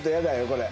これ。